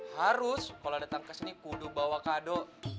harus kalau datang ke sini kudu bawa kado